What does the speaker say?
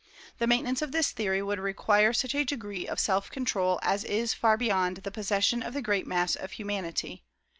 The maintenance of this theory would require such a degree of self control as is far beyond the possession of the great mass of humanity.